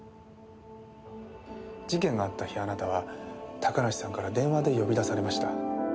事件があった日あなたは高梨さんから電話で呼び出されました。